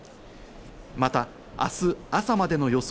また、明日朝までの予想